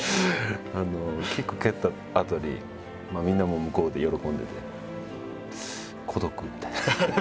キック蹴ったあとにみんなも向こうで喜んでて孤独みたいな。